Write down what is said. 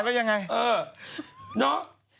แล้วยังไงหรอก